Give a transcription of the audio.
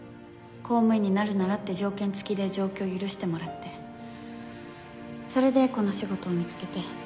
公務員になるならって条件付きで上京を許してもらってそれでこの仕事を見つけて。